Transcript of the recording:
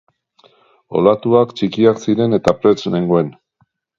Olatuak txikiak ziren eta prest nengoen.